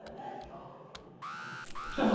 来たぞ。